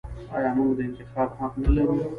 آیا موږ د انتخاب حق نلرو؟